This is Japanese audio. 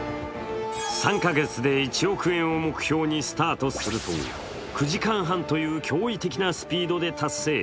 ３か月で１億円を目標にスタートすると、９時間半という驚異的なスピードで達成。